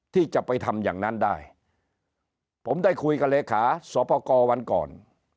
ที่จะไปทำอย่างนั้นได้ผมได้คุยกับเลขาสวปกรวันก่อน